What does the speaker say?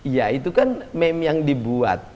ya itu kan meme yang dibuat